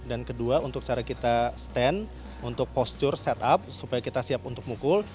dan kedua untuk cara kita stand untuk posture set up supaya kita siap untuk mukul